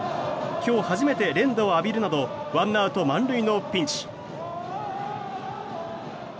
今日初めて連打を浴びるなどワンアウト満塁のピンチ。